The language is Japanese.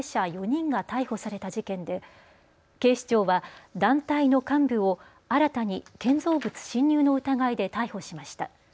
４人が逮捕された事件で警視庁は団体の幹部を新たに建造物侵入の疑いで逮捕しました。